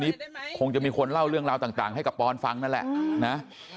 คงจะมีคนเล่าเรื่องราวต่างให้กับปอนฟังนั่นแหละนะ